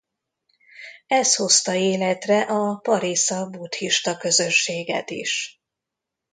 Ez hozta életre a Parisza buddhista közösséget is.